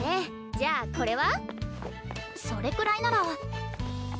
じゃあこれは？それくらいなら。